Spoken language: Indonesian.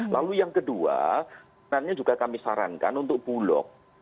lalu yang kedua sebenarnya juga kami sarankan untuk bulog